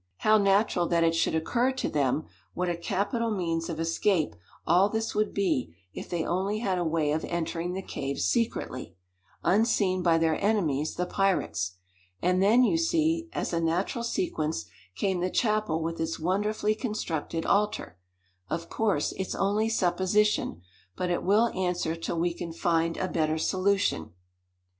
How natural that it should occur to them what a capital means of escape all this would be if they only had a way of entering the cave secretly unseen by their enemies the pirates. And then, you see, as a natural sequence, came the chapel with its wonderfully constructed altar. Of course, it's only supposition; but it will answer till we can find a better solution."